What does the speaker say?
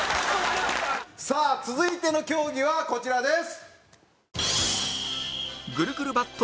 さあ続いての競技はこちらです。